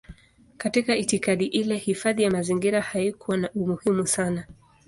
Katika itikadi ile hifadhi ya mazingira haikuwa na umuhimu sana.